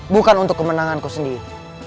bukan untuk kemenanganku sendiri